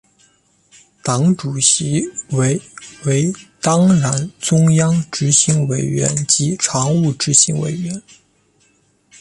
党主席为为当然中央执行委员及常务执行委员。